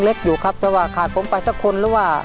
เพลงนี้อยู่ในอาราบัมชุดแรกของคุณแจ็คเลยนะครับ